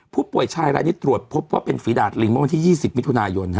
ผู้ป่วยชายรายนี้ตรวจพบว่าเป็นฝีดาดลิงเมื่อวันที่๒๐มิถุนายน